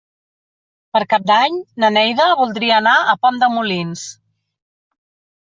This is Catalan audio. Per Cap d'Any na Neida voldria anar a Pont de Molins.